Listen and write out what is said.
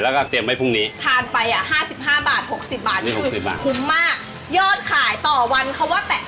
ตามนั้งตามนั้งงั้นอย่างหมูกรอบงี้ใช้เยอะแค่ไหนต่อวันเก็บแผ่น